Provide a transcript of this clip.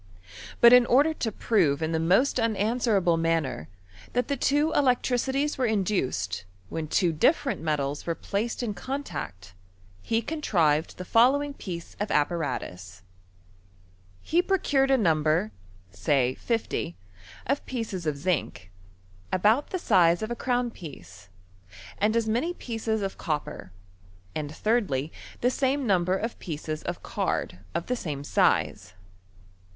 But in order to prove in the most un answerable manner that the two electricities were induced when two diiferent metals were placed in con tact, he contrived the following piece of apparatus : He procured a number (say 50) of pieces of zinc, about the size of a crovm piece, and as many pieces of copper, and thirdly, the same number of pieces of card of the same size.